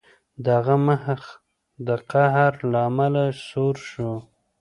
د هغه مخ د قهر له امله سور شو